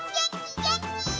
げんき！